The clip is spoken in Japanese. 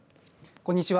こんにちは。